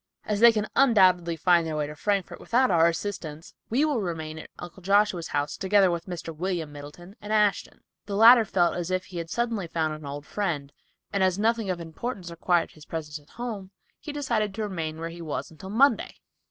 As they can undoubtedly find their way to Frankfort without our assistance, we will remain at Uncle Joshua's together with Mr. William Middleton and Ashton. The latter felt as if he had suddenly found an old friend, and as nothing of importance required his presence at home, he decided to remain where he was until Monday.